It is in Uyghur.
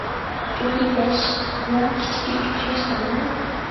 چوڭى بەش يا، كىچىكى ئۈچ ياش دەڭە.